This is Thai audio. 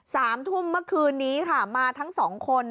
สามทุ่มเมื่อคืนนี้ค่ะมาทั้งสองคน